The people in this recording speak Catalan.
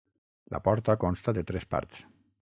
La porta consta de tres parts.